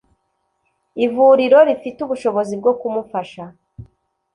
ivuriro rifite ubushobozi bwo kumufasha.